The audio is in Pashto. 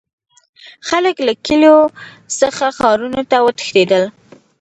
خلک له کلیو څخه ښارونو ته وتښتیدل.